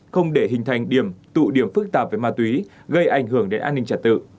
không để hình thành điểm tụ điểm phức tạp về ma túy gây ảnh hưởng đến an ninh trật tự